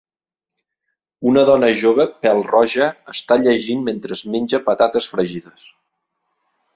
Una dona jove pèl-roja està llegint mentre menja patates fregides.